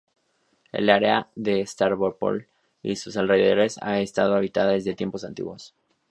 El área de Stávropol y sus alrededores ha estado habitada desde tiempos antiguos.